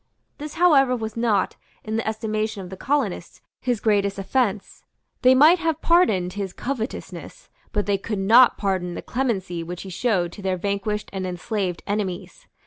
This however was not, in the estimation of the colonists, his greatest offence. They might have pardoned his covetousness; but they could not pardon the clemency which he showed to their vanquished and enslaved enemies.